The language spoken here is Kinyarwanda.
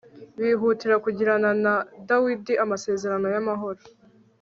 bihutira kugirana na dawidi amasezerano y'amahoro